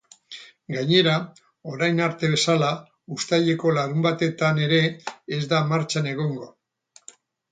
Gainera, orain arte bezala, uztaileko larunbatetan ere ez da martxan egongo.